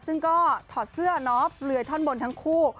ซึ่งก็ถอดเสื้อเนาะเปลือยท่อนบนทั้งคู่